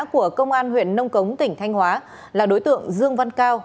của công an huyện nông cống tỉnh thanh hóa là đối tượng dương văn cao